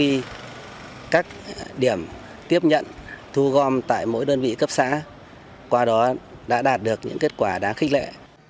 thì các điểm tiếp nhận thu gom tại mỗi đơn vị cấp xã qua đó đã đạt được những kết quả đáng khích lệ